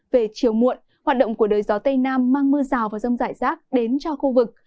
về chiều muộn hoạt động của đời gió tây nam mang mưa rào và rông rải rác đến cho khu vực